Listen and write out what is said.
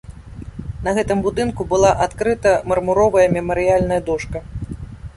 На гэтым будынку была адкрыта мармуровая мемарыяльная дошка.